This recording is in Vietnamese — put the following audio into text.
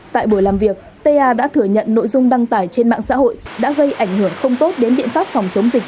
tại buổi làm việc ta đã thừa nhận nội dung đăng tải trên mạng xã hội đã gây ảnh hưởng không tốt đến biện pháp phòng chống dịch